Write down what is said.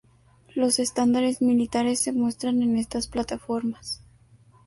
Los estándares militares se muestran en estas plataformas.